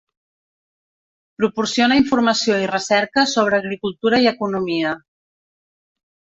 Proporciona informació i recerca sobre agricultura i economia.